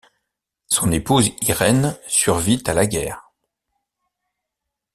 Son épouse Irene survit à la guerre.